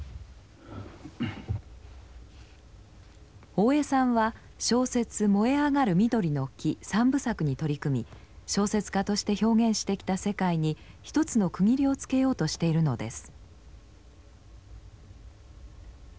大江さんは小説「燃えあがる緑の木」３部作に取り組み小説家として表現してきた世界に一つの区切りをつけようとしているのです。